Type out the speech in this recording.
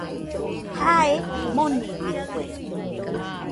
Jae monidɨkue